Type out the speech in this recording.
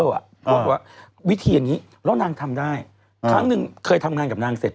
บอกว่าวิธีอย่างนี้แล้วนางทำได้ครั้งหนึ่งเคยทำงานกับนางเสร็จ